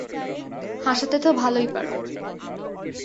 হাসাতে তো ভালোই পারো।